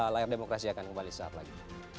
layar demokrasi akan kembali saat lagi